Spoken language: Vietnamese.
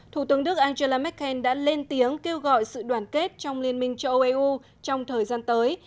thủ tướng đức angela merkel đã lên tiếng kêu gọi sự đoàn kết trong liên minh châu âu eu trong thời gian tới